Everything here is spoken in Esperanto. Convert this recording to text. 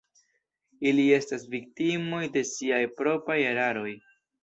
Ili estas viktimoj de siaj propraj eraroj.